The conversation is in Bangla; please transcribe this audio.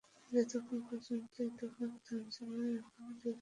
যতক্ষন পর্যন্ত এই তুফান থামছে না এখান থেকে যাওয়া সম্ভব না।